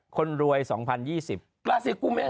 คนรวยสองพันยี่สิบ